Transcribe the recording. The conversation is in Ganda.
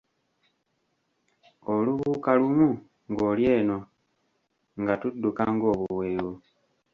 Olubuuka lumu ng'oli eno nga tudduka ng'obuweewo.